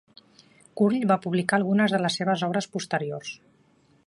Curll va publicar algunes de les seves obres posteriors.